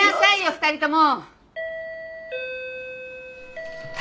２人とも。